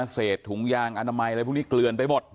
เศษถุงยางอนามัยอะไรพวกนี้เกลือนไปหมด